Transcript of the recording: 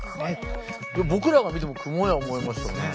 僕らが見てもクモや思いましたもん。